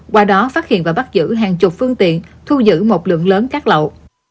qua đó phát hiện và bắt giữ hàng chục phương tiện thu giữ một lượng lớn cát lậu